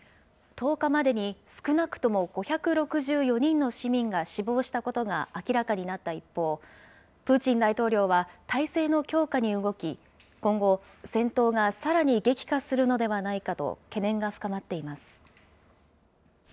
１０日までに少なくとも５６４人の市民が死亡したことが明らかになった一方、プーチン大統領は態勢の強化に動き、今後、戦闘がさらに激化するのではないかと懸念が深まっています。